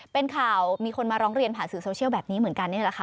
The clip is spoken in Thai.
เป็นข่าวมีคนมาร้องเรียนผ่านสื่อโซเชียลแบบนี้เหมือนกันนี่แหละค่ะ